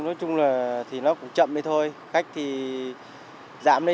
nói chung là thì nó cũng chậm đấy thôi khách thì giảm đi